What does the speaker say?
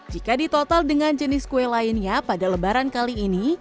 jika ditotal dengan jenis kue lainnya pada lebaran kali ini